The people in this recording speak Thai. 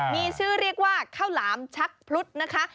มีชื่อเรียกว่าข้าวหลามชักพลุดนะคะ